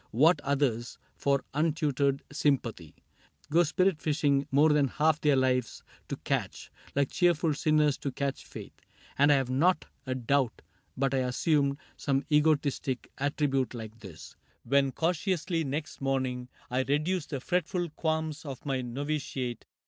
What others, for untutored sympathy. Go spirit fishing more than half their lives To catch — like cheerful sinners to catch faith; And I have not a doubt but I assumed Some egotistic attribute like this When, cautiously, next morning I reduced The fretful qualms of my novitiate.